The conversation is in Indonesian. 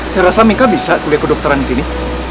saya rasa mika bisa kuliah kedokteran disini